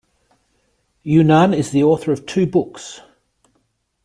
Younan is the author of two books.